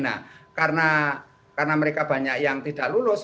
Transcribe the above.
nah karena mereka banyak yang tidak lulus